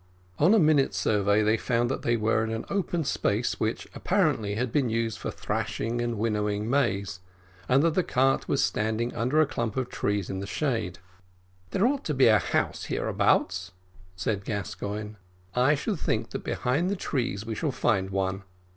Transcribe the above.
On a minute survey, they found that they were in an open space which, apparently, had been used for thrashing and winnowing maize, and that the cart was standing under a clump of trees in the shade. "There ought to be a house hereabouts," said Gascoigne; "I should think that behind the trees we shall find one.